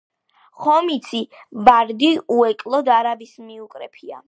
ხომ იცი ვარდი უეკლოდ არავის მოუკრეფია